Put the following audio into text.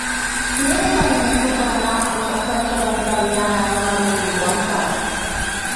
Quin és el camí més curt per anar al passatge d'Antaviana número cinquanta?